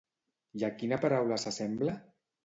I a quina paraula s'assembla?